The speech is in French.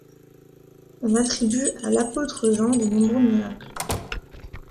On attribue à l'apôtre Jean de nombreux miracles.